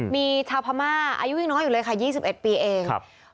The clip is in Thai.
มีเช้าพม่าอายุยิ่งหน้าอยู่เลยยี่สิบเอ็ดปีเอง